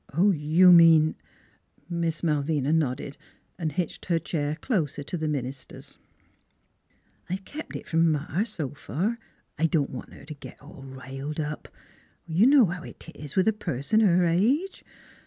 "You mean ?" Miss Malvina nodded and hitched her chair closer to the minister's. " I've kep' it from Ma, so far. I don't want her t' git all riled up. ... You know how 'tis with a person o' her age.